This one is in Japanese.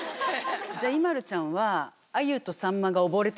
じゃあＩＭＡＬＵちゃんは。